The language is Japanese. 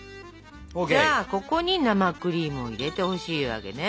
じゃあここに生クリームを入れてほしいわけね。